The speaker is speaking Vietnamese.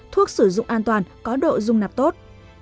thuốc sử dụng an toàn có độ dung nạp tốt